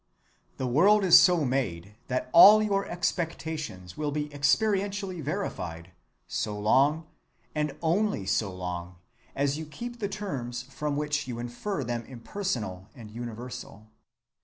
The world is so made that all your expectations will be experientially verified so long, and only so long, as you keep the terms from which you infer them impersonal and universal.